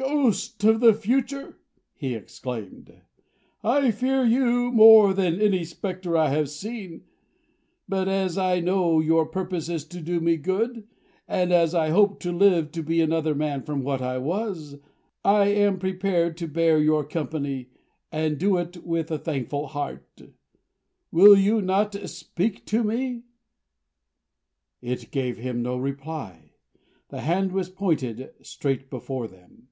"Ghost of the Future!" he exclaimed, "I fear you more than any spectre I have seen. But as I know your purpose is to do me good and as I hope to live to be another man from what I was, I am prepared to bear you company, and do it with a thankful heart. Will you not speak to me?" It gave him no reply. The hand was pointed straight before them.